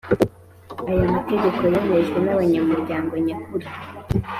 aya mategeko yemejwe n abanyamuryango nyakuri